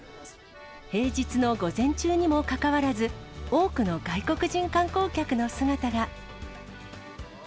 平日の午前中にもかかわらず、多くの外国人観光客の姿が。